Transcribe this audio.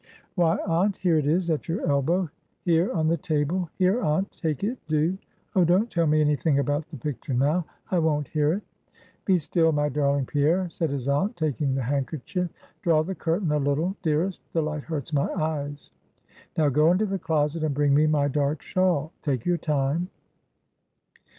"Why, aunt, here it is, at your elbow; here, on the table; here, aunt; take it, do; Oh, don't tell me any thing about the picture, now; I won't hear it." "Be still, my darling Pierre," said his aunt, taking the handkerchief, "draw the curtain a little, dearest; the light hurts my eyes. Now, go into the closet, and bring me my dark shawl; take your time.